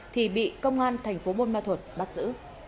thì bị công an thành phố buôn ma thuột bắt giữ